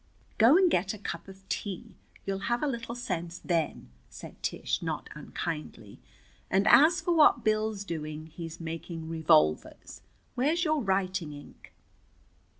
"Go and get a cup of tea. You'll have a little sense then," said Tish, not unkindly. "And as for what Bill's doing, he's making revolvers. Where's your writing ink?"